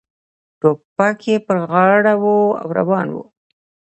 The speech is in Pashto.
ټوپک یې پر غاړه و او روان و.